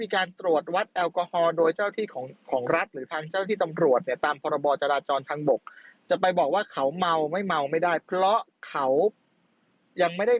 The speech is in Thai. มีอาการที่คิดว่าน่าจะเมาอะนะ